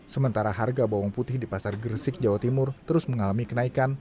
sementara harga bawang putih di pasar gresik jawa timur terus mengalami kenaikan